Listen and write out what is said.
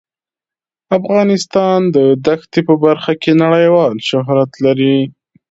افغانستان د دښتې په برخه کې نړیوال شهرت لري.